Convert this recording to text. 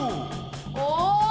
お！